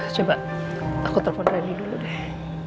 coba aku telpon randy dulu deh